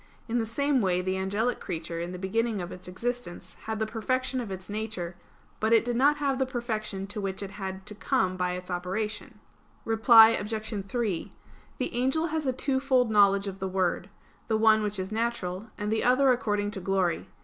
In the same way, the angelic creature in the beginning of its existence had the perfection of its nature; but it did not have the perfection to which it had to come by its operation. Reply Obj. 3: The angel has a twofold knowledge of the Word; the one which is natural, and the other according to glory.